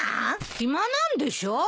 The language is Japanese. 暇なんでしょう？